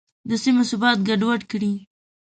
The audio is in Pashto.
د سیمې ثبات ګډوډ کړي.